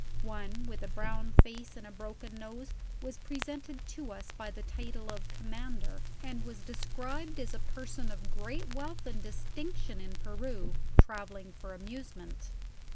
One, with a brown face and a broken nose, was presented to us by the title of "Commander," and was described as a person of great wealth and distinction in Peru, traveling for amusement.